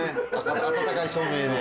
温かい照明で。